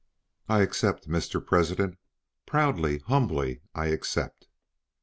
"I accept, Mr. President. Proudly humbly I accept!"